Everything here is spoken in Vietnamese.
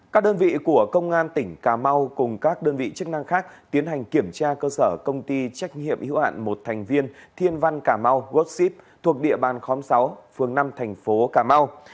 các đơn vị của công an tỉnh cà mau cùng các đơn vị chức năng khác tiến hành kiểm tra cơ sở công ty trách nhiệm hữu hạn một thành viên thiên văn cà mau workship thuộc địa bàn khóm sáu phường năm thành phố cà mau